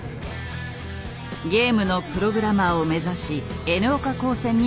ゲームのプログラマーを目指しＮ岡高専に入学。